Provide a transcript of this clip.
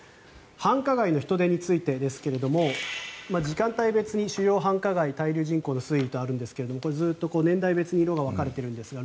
繁華街の人出についてですが時間帯別に主要繁華街の滞留人口の推移とありますがこれずっと年代別に色が分かれているんですが